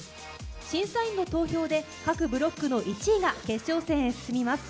審査員の投票で、各ブロックの１位が決勝戦へ進みます。